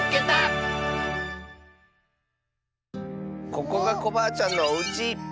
ここがコバアちゃんのおうち！